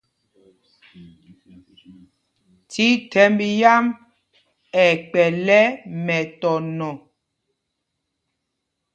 Thíthɛmb yǎm ɛ kpɛ̌l ɛ mɛtɔnɔ.